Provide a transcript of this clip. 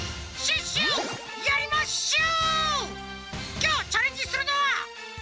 きょうチャレンジするのは。